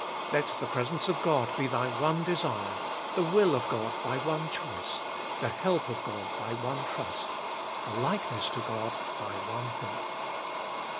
Let the presence of God be thy one desire ; the will of God thy one choice ; the help of God thy one trust ; the likeness to God thy one hope.